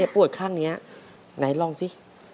ปวดข้างนี้ไหนลองสิ